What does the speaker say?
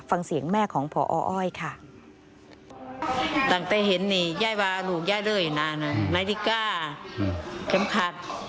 ฟังเสียงแม่ของพออ้อยค่ะ